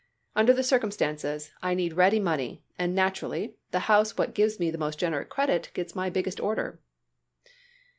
Under the circumstances, I need ready money, and, naturally, the house what gives me the most generous credit gets my biggest order."